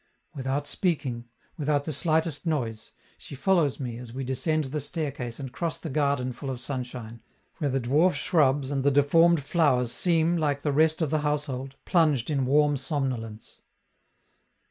Without speaking, without the slightest noise, she follows me as we descend the staircase and cross the garden full of sunshine, where the dwarf shrubs and the deformed flowers seem, like the rest of the household, plunged in warm somnolence.